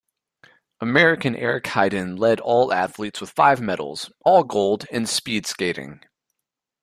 American Eric Heiden led all athletes with five medals, all gold, in speed skating.